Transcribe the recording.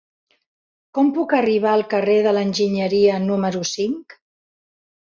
Com puc arribar al carrer de l'Enginyeria número cinc?